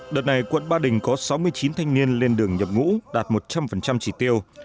đợt này quận ba đình có sáu mươi chín thanh niên lên đường nhập ngũ đạt một trăm linh chỉ tiêu